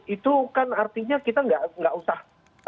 itu kan artinya kita nggak usah